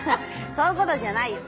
そういうことじゃないよ。